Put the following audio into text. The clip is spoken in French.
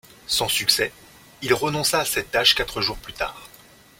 Sans succès, il renonça à cette tâche quatre jours plus tard.